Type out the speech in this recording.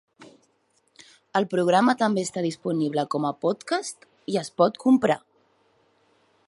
El programa també està disponible com a podcast, i es pot comprar.